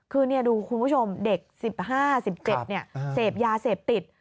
คือนี่ดูคุณผู้ชมเด็ก๑๕๑๗เสพยาเสพติด